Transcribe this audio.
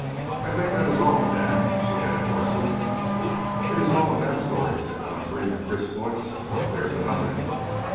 "I think that is all, madame," she added, hoarsely. "It is all of that story," said Godfrey, in a crisp voice; "but there is another."